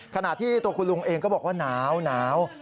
ขณะที่ตัวคุณลุงเองก็บอกว่าหนาว